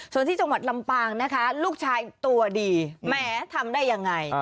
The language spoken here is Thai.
ส่วนที่จังหวัดลำปางนะคะลูกชายตัวดีแหมทำได้ยังไง